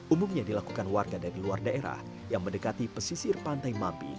umumnya dilakukan warga dari luar daerah yang mendekati pesisir pantai mampi